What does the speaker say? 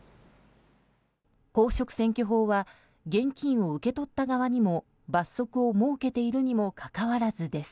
公職選挙法は現金を受け取った側にも罰則を設けているにもかかわらずです。